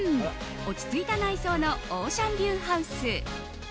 落ち着いた内装のオーシャンビューハウス。